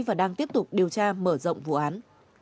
và đang tiếp tục điều tra mở rộng vụ án